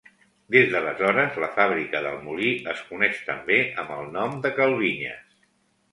Des d'aleshores, la fàbrica del Molí es coneix també amb el nom de cal Vinyes.